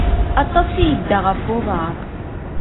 Aṭas i yedda ɣef uḍaṛ.